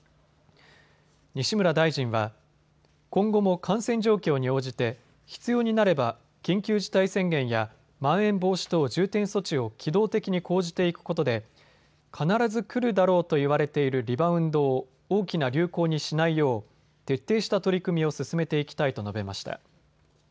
西村大臣は、今後も感染状況に応じて必要になれば緊急事態宣言やまん延防止等重点措置を機動的に講じていくことで必ず来るだろうと言われているリバウンドを大きな流行にしないよう徹底した取り組みを進めていきたいと述べました。